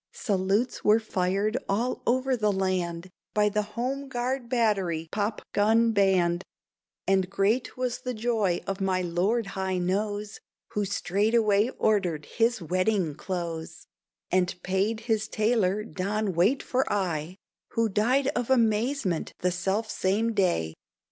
Salutes were fired all over the land By the home guard battery pop gun band; And great was the joy of my Lord High Nose, Who straightway ordered his wedding clothes, And paid his tailor, Don Wait for aye, Who died of amazement the self same day.